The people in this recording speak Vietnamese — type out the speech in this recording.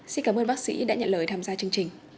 xin cảm ơn bác sĩ đã nhận lời tham gia chương trình